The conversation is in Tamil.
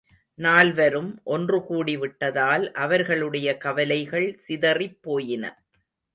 நால்வரும், ஒன்று கூடிவிட்டதால் அவர்களுடைய கவலைகள் சிதறிப் போயின.